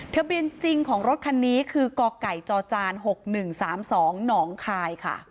จริงของรถคันนี้คือกไก่จจ๖๑๓๒หนองคายค่ะ